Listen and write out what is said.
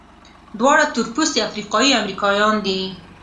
دواړه تورپوستي افریقایي امریکایان دي.